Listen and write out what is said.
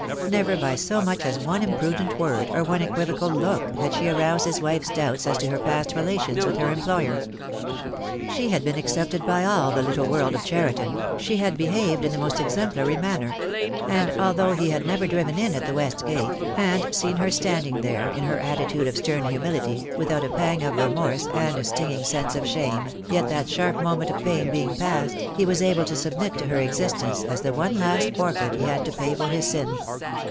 Never by so much as one im prudent word, or one equivocal look, had she aroused his wife's doubts as to her past relations with her employer. She had been accepted by all the little world of Cheriton, she had behaved in the most exemplary manner; and although he had never driven in at the west gate, and seen her standing there in her attitude of stern humility, without a pang of remorse and a stinging sense of shame, yet that sharp moment of pain being past, he was able to submit to her existence as the one last forfeit he had to pay for his sin.